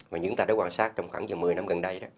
và những người ta đã quan sát trong khoảng một mươi năm gần đây